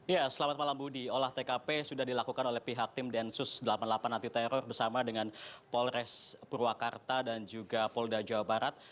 ya selamat malam budi olah tkp sudah dilakukan oleh pihak tim densus delapan puluh delapan anti teror bersama dengan polres purwakarta dan juga polda jawa barat